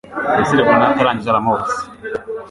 Messire Brunet arangije aramubaza